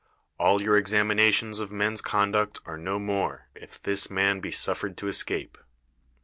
All your exam inations of men's conduct are no more, if this man be suffered to escape.